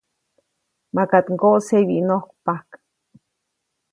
-Makaʼt ŋgoʼsje wyinojkpajk.-